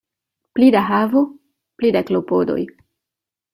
Pli da havo, pli da klopodoj.